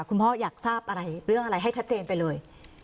คุณพ่ออยากทราบอะไรเรื่องอะไรให้ชัดเจนไปเลย